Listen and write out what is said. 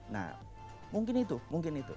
nah mungkin itu mungkin itu